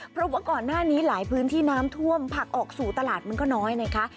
เพราะว่าก่อนหน้านี้หลายพื้นที่น้ำท่วมผักออกสู่ตลาดมันก็น้อยนะคะ